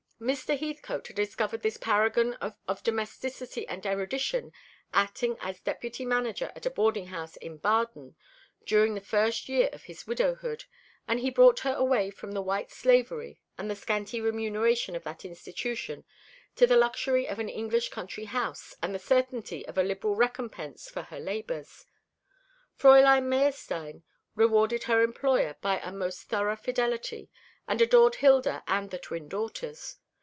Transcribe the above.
Mr. Heathcote had discovered this paragon of domesticity and erudition, acting as deputy manager at a boarding house at Baden, during the first year of his widowhood, and he brought her away from the white slavery and the scanty remuneration of that institution to the luxury of an English country house, and the certainty of a liberal recompense for her labours. Fräulein Meyerstein rewarded her employer by a most thorough fidelity, and adored Hilda and the twin daughters.